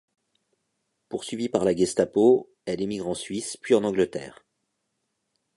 Poursuivie par la Gestapo, elle émigre en Suisse puis en Angleterre.